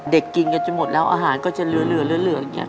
เด็กกินกันจะหมดแล้วอาหารก็จะเหลือเนี่ย